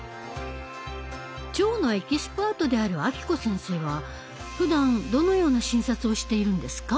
腸のエキスパートである暁子先生はふだんどのような診察をしているんですか？